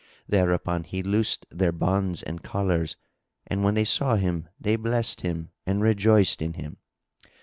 Thereupon he loosed their bonds and collars, and when they saw him, they blessed him and rejoiced In him.